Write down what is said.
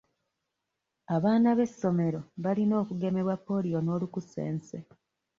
Abaana b'essomero balina okugemebwa Ppoliyo n'olukusense.